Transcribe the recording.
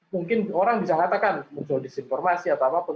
mungkin orang bisa katakan muncul disinformasi atau apapun